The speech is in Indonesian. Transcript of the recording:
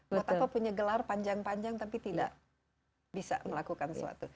buat apa punya gelar panjang panjang tapi tidak bisa melakukan sesuatu